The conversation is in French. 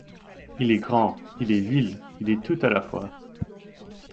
Il est grand, il est vil ; il est tout à la fois.